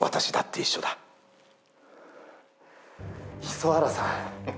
磯原さん。